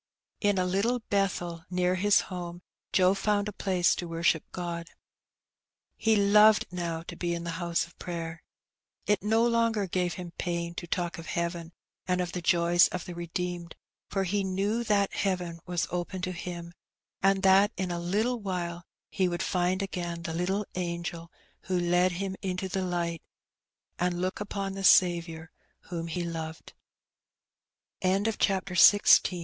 In a Uttle Bethel near his home Joe found a place to worship God. He loved now to be in the house of prayer. It no longer gave him pain to talk of heaven and of the joys of the redeemed, for ho knew that heaven was open to him, and that in a little while he would find again the little angel who led him into the Ught, and look upon the Saviour whom he loved. CHAPTER XVIL PERES A